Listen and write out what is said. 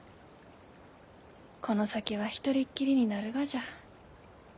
この先は一人っきりになるがじゃ。